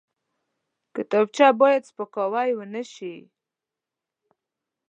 کتابچه باید سپکاوی ونه شي